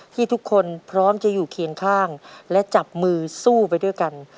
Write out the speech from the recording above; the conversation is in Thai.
ที่ทุกคนพร้อมจะอยู่เคียงข้างและจับมือสู้ไปด้วยกัน